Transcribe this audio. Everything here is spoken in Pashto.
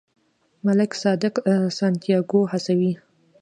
ملک صادق سانتیاګو هڅوي.